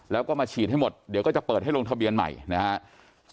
แล้วก็มาฉีดให้หมดเดี๋ยวก็จะเปิดให้ลงทะเบียนใหม่นะครับ